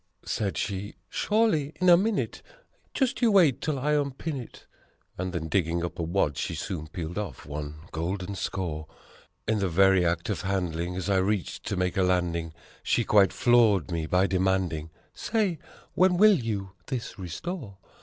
8 Said she, "Surely! In a minute just you wait till I unpin it." And then digging up a wad she soon peeled off one golden score. In the very act of handing, as I reached to make a landing, She quite floored me by demanding, "Say, when will you this restore?